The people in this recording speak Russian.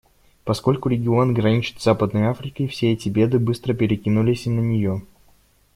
Поскольку регион граничит с Западной Африкой, все эти беды быстро перекинулось и на нее.